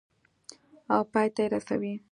او پای ته یې رسوي.